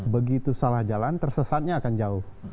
begitu salah jalan tersesatnya akan jauh